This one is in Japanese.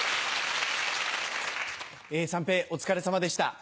三平お疲れさまでした。